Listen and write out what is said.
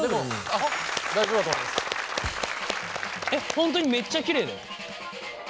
本当にめっちゃきれいだよ。